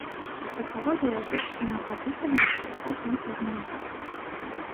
Գլխավոր հերոսի նախատիպ է հանդիսացել հենց հեղինակը։